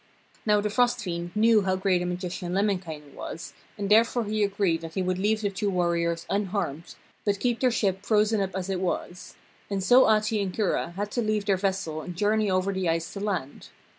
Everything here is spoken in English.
Now the Frost fiend knew how great a magician Lemminkainen was, and therefore he agreed that he would leave the two warriors unharmed, but keep their ship frozen up as it was. And so Ahti and Kura had to leave their vessel and journey over the ice to land.